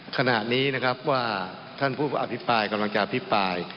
ขณะนี้นะครับว่าท่านผู้อภิปรายกำลังจะอภิปราย